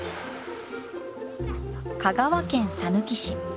香川県さぬき市。